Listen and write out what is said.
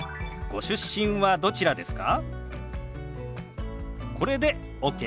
ご出身はどちらですか？